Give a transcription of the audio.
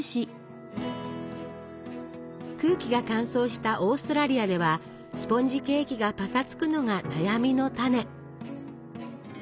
空気が乾燥したオーストラリアではスポンジケーキがパサつくのが悩みのタネ。